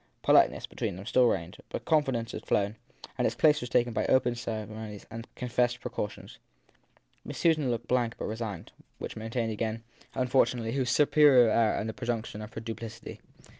Politeness, between them, still reigned, but confidence had flown, and its place was taken by open ceremonies and confessed precautions. Miss Susan looked blank but resigned; which maintained again, unfortunately, her superior air and the presumption of her duplicity.